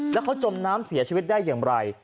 แล้วเขาจมน้ำเสียชีวิตได้อย่างไร